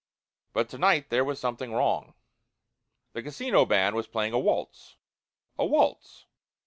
But to night there was something wrong. The casino band was playing a waltz a waltz.